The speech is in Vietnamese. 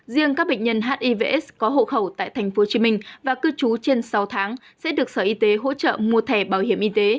riêng các bệnh nhân hivs có hộ khẩu tại tp hcm và cư trú trên sáu tháng sẽ được sở y tế hỗ trợ mua thẻ bảo hiểm y tế